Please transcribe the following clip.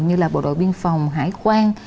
như là bộ đội biên phòng hải quan